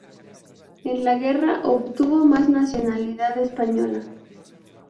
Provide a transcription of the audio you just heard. En la guerra obtuvo la nacionalidad española.